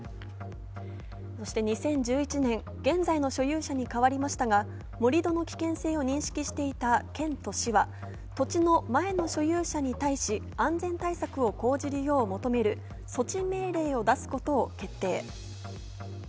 ２０１１年現在の所有者に変わりましたが、盛り土の危険性を認識していた県と市は、土地の前の所有者に対し安全対策を講じるよう求める措置命令を出すことを決定。